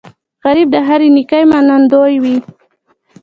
غریب د هرې نیکۍ منندوی وي